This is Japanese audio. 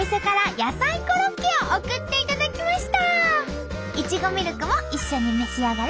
いちごミルクも一緒に召し上がれ！